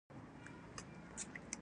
بیا به د ژونده خوند واخلی.